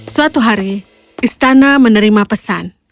suatu hari istana menerima pesan